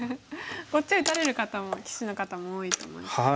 こっち打たれる方も棋士の方も多いと思います。